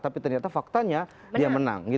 tapi ternyata faktanya dia menang